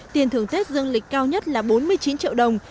tiền thưởng tết dương lịch cao nhất là bốn mươi chín triệu đồng